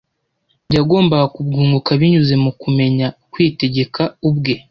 yagombaga kubwunguka binyuze mu kumenya kwitegeka ubwe